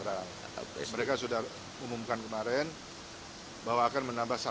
dan kami memiliki komitmen untuk negara